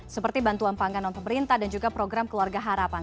seperti bantuan panganan pemerintah dan juga program keluarga harapan